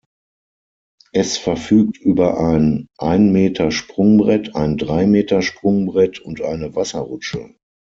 Es verfügt über ein Ein-Meter-Sprungbrett, ein Drei-Meter-Sprungbrett und eine Wasserrutsche.